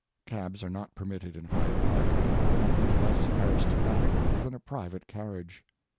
[Cabs are not permitted in Hyde Park—nothing less aristocratic than a private carriage.